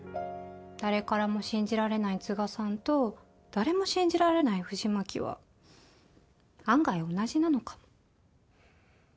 誰からも信じられない都賀さんと誰も信じられない藤巻は案外同じなのかも。